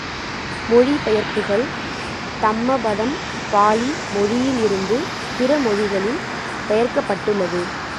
மொழி பெயர்ப்புகள் தம்மபதம் பாலி மொழியிலிருந்து பிறமொழிகளில் பெயர்க்கப்பட்டுள்ளது.